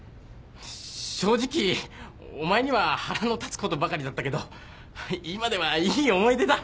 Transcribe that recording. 正直お前には腹の立つことばかりだったけど今ではいい思い出だ。